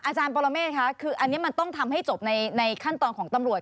อาจารย์ปรเมฆค่ะคืออันนี้มันต้องทำให้จบในขั้นตอนของตำรวจ